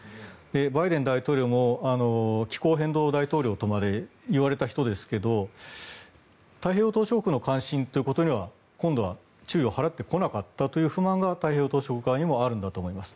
バイデン大統領も気候変動大統領とまで言われた人ですが太平洋島しょ国の関心ということには今度は注意を払ってこなかったという不満が太平洋島しょ国側にもあるんだと思います。